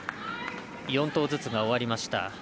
４投ずつが終わりました。